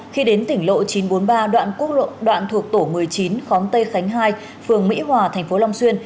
khi đến tỉnh lộ chín trăm bốn mươi ba đoạn thuộc tổ một mươi chín khóm tây khánh hai phường mỹ hòa tp long xuyên